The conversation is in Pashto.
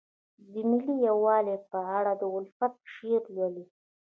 د ملي یووالي په اړه د الفت شعر لولئ.